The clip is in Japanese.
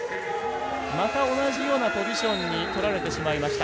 また同じようなポジションを取られてしまいました。